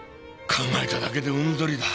考えただけでうんざりだ。